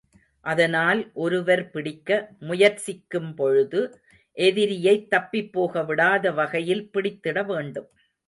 அதனால், ஒருவர் பிடிக்க முயற்சிக்கும்பொழுது, எதிரியைத் தப்பிப் போகவிடாத வகையிலே பிடித்திட வேண்டும்.